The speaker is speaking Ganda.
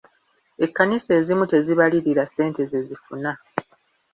Ekkanisa ezimu tezibalirira ssente ze zifuna.